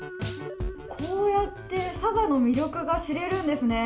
こうやって佐賀の魅力が知れるんですね。